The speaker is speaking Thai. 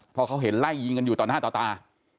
พอเขาเห็นไล่ยิงกันอยู่ต่อหน้าต่อตา